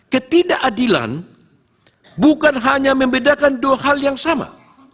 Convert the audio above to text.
ketidakadilan bukan hanya membedakan dua hal yang sama